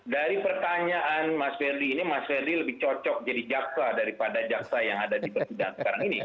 dari pertanyaan mas verdi ini mas verdi lebih cocok jadi jaxa daripada jaxa yang ada di persidangan sekarang ini